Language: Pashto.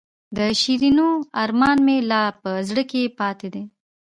د شیرینو ارمان مې لا په زړه کې پاتې دی.